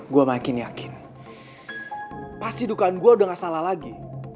gue makin yakin pasti dukaan gue udah gak salah lagi